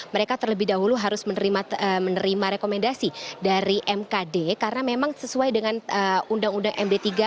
mereka terlebih dahulu harus menerima rekomendasi dari mkd karena memang sesuai dengan undang undang md tiga